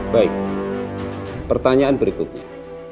baik pertanyaan berikutnya